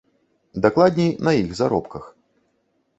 Дакладней, на іх заробках.